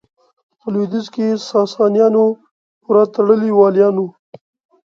په لوېدیځ کې ساسانیانو پوره تړلي والیان وو.